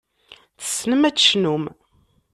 Tessnem ad tecnum.